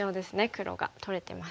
黒が取れてます。